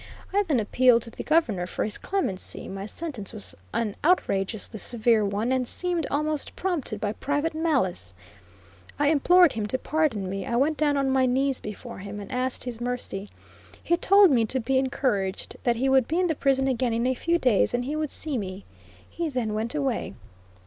I then appealed to the Governor for his clemency; my sentence was an outrageously severe one, and seemed almost prompted by private malice; I implored him to pardon me; I went down on my knees before him, and asked his mercy. He told me to be encouraged; that he would be in the prison again in a few days, and he would see me. He then went away.